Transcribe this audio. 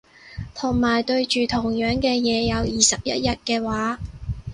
同埋對住同樣嘅嘢有二十一日嘅話